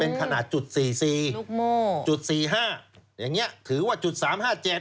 เป็นขนาดจุดสี่สี่ลูกโม่จุดสี่ห้าอย่างเงี้ยถือว่าจุดสามห้าเจ็ด